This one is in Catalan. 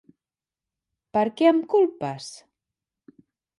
Per què em culpes?